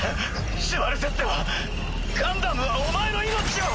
シュバルゼッテはガンダムはお前の命を。